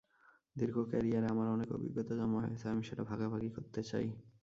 দীর্ঘ ক্যারিয়ারে আমার অনেক অভিজ্ঞতা জমা হয়েছে, আমি সেটা ভাগাভাগি করতে চাই।